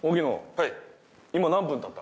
はい。